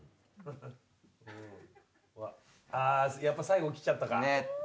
やっぱ最後きちゃったか？